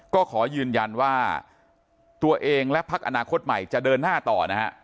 ก็ขอยืนยันว่าตัวเองและพักอนาคตใหม่จะเดินหน้าต่อนะฮะ